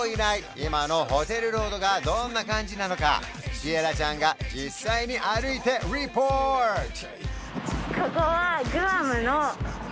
今のホテルロードがどんな感じなのかシエラちゃんが実際に歩いてリポート